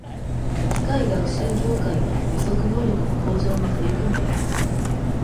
機械学習業界は、予測能力の向上に取り組んでいる。